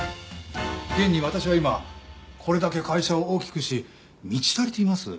現に私は今これだけ会社を大きくし満ち足りています。